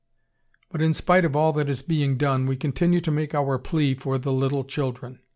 ] But in spite of all that is being done, we continue to make our plea for the little children.